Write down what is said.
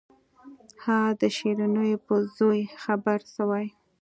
ها د شيرينو په زوى خبره سوې.